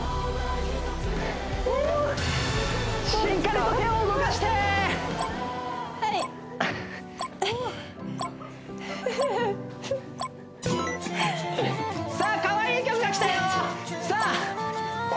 しっかりと手を動かしてはいさあかわいい曲がきたよさあ